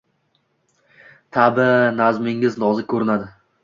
Tab’i nazmingiz nozik ko’rinadi